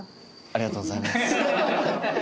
ありがとうございます。